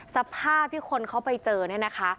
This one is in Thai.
สภาพที่คนเขาไปเจอเนี่ยนะคะ